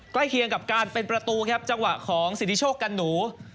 เคียงกับการเป็นประตูครับจังหวะของสิทธิโชคกันหนู